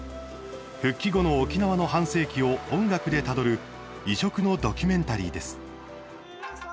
復帰後の沖縄の半世紀を音楽でたどる異色のドキュメンタリーです。